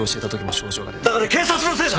だから警察のせいだ！